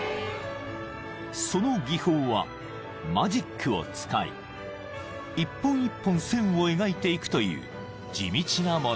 ［その技法はマジックを使い一本一本線を描いていくという地道なもの］